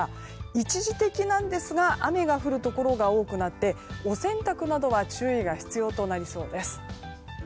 一時的ですが雨が降るところが多くなりお洗濯などは注意が必要となりそうです。